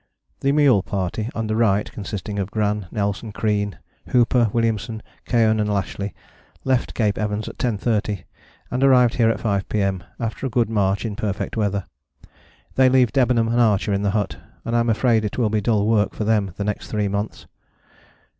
_ The mule party, under Wright, consisting of Gran, Nelson, Crean, Hooper, Williamson, Keohane and Lashly, left Cape Evans at 10.30 and arrived here at 5 P.M. after a good march in perfect weather. They leave Debenham and Archer at the hut, and I am afraid it will be dull work for them the next three months.